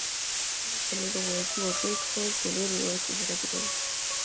金字塔扁粒螺为左锥螺科扁粒螺属下的一个种。